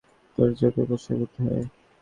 তোর চোখের প্রশংসা করতে হয়।